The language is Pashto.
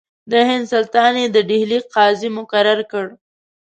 د هند سلطان یې د ډهلي قاضي مقرر کړ.